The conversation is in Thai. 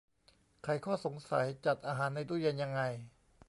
ไขข้อสงสัย จัดอาหารในตู้เย็นยังไง